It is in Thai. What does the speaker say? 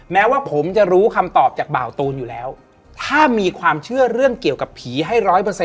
แม้ว่าผมจะรู้คำตอบจากแบบเบาตูนอยู่แล้วถ้ามีความเชื่อเรื่องเกี่ยวกับผีให้๑๐๐